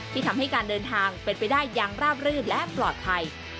ที่ทำให้การเดินทางเป็นไปได้อย่างราบรื่นและปลอดภัย